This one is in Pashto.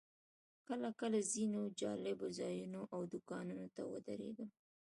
کله کله ځینو جالبو ځایونو او دوکانونو ته ودرېږم.